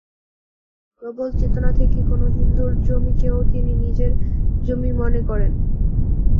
প্রবল চেতনা থেকে কোনো হিন্দুর জমিকেও তিনি নিজের জমি মনে করেন।